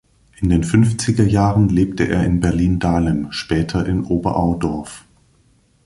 In den fünfziger Jahren lebte er in Berlin-Dahlem, später in Oberaudorf.